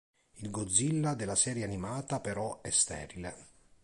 Il Godzilla della serie animata però è sterile.